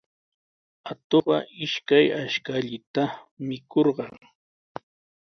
Atuqqa ishkay ashkallaata mikurqan.